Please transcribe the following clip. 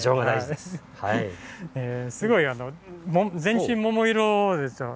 すごい全身桃色ですよ。